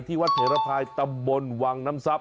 ที่วัดเถรภายตำบลวังน้ำซับ